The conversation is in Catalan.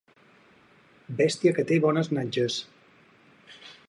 Bèstia que té bones natges.